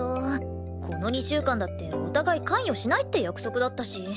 この２週間だってお互い関与しないって約束だったし。